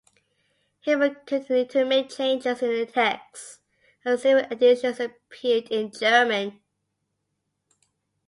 Hilbert continued to make changes in the text and several editions appeared in German.